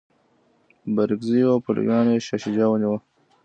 بارکزیو او پلویانو یې شاه شجاع ونیوه.